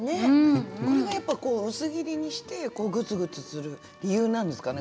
これが薄切りにしてグツグツする理由なんですかね